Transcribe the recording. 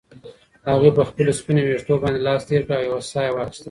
هغې په خپلو سپینو ویښتو باندې لاس تېر کړ او یوه ساه یې واخیسته.